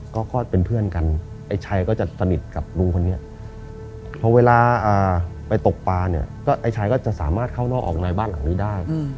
ก็คลอดเป็นเพื่อนกันไอ้ชัยก็จะสนิทกับลุงคนนี้พอเวลาไปตกปลาเนี่ยก็ไอ้ชายก็จะสามารถเข้านอกออกในบ้านหลังนี้ได้